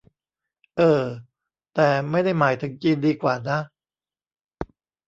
เอ้อ แต่ไม่ได้หมายถึงจีนดีกว่านะ